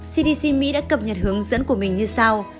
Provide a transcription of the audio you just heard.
cdc mỹ đã cập nhật hướng dẫn của mình như sau